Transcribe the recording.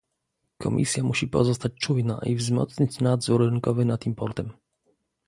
Komisja musi pozostać czujna i wzmocnić nadzór rynkowy nad importem